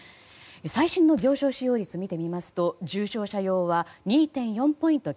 最新の病床使用率を見てみますと重症者用は２．４ポイント